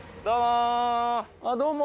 どうも。